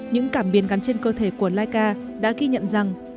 những cảm biến gắn trên cơ thể của laika đã ghi nhận rằng